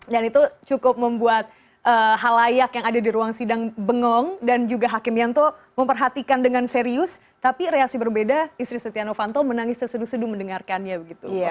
dan itu cukup membuat halayak yang ada di ruang sidang bengong dan juga hakim yanto memperhatikan dengan serius tapi reaksi berbeda istri satyana vanto menangis terseduh seduh mendengarkannya